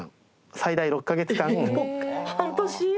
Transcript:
最大６カ月間。